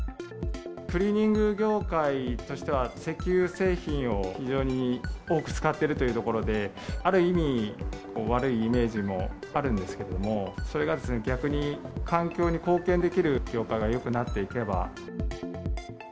クリーニング業界としては、石油製品を非常に多く使っているというところで、ある意味、悪いイメージもあるんですけども、それがですね、逆に環境に貢献できる業界がよくなっていければ。